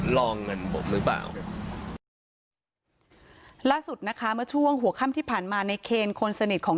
รอเงินผมหรือเปล่าล่าสุดนะคะเมื่อช่วงหัวค่ำที่ผ่านมาในเคนคนสนิทของ